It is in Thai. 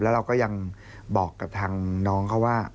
แล้วเราก็ยังบอกกับทางน้องเขาว่า